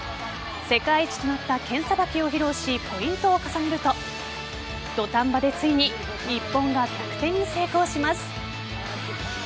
世界一となった剣さばきを披露しポイントを重ねると土壇場でついに日本が逆転に成功します。